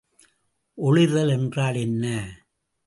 ஒளிர்தல் என்றால் என்ன?